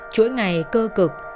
chuỗi ngày cơ cực